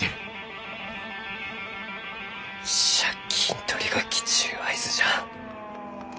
借金取りが来ちゅう合図じゃ。